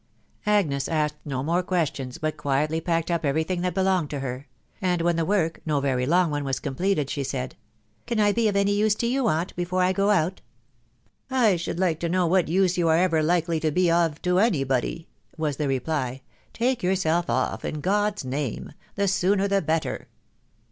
Agnes asked no more questions, but quietly packed up every thing that belonged to her ; and when the work, no very long one, was completed, she said, —" Can I be of any use to you, aunt, before I go out ?"" I should like to know what use you are ever likely to be of to anybody,". ... was the reply. " Take yourself off, in God's name !— the sooner the better."